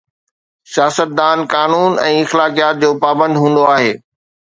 سياستدان قانون ۽ اخلاقيات جو پابند هوندو آهي.